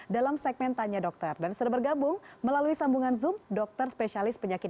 sembilan belas dalam segmen tanya dokter dan serba gabung melalui sambungan zoom dokter spesialis penyakit